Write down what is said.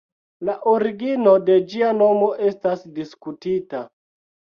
La origino de ĝia nomo estas diskutita.